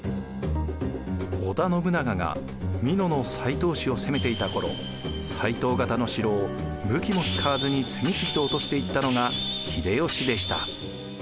織田信長が美濃の斎藤氏を攻めていた頃斎藤方の城を武器も使わずに次々と落としていったのが秀吉でした。